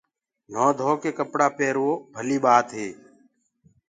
نهونٚ ڌوڪي ڪپڙآ پيروو ڀلي ٻآت هي